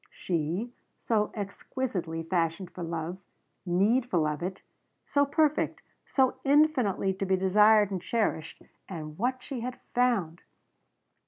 She, so exquisitely fashioned for love needful of it so perfect so infinitely to be desired and cherished and what she had found.